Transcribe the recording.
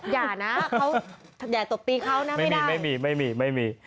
อย่านะอย่าตบตีเขานะไม่ได้ไม่มี